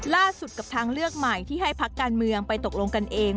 กับทางเลือกใหม่ที่ให้พักการเมืองไปตกลงกันเอง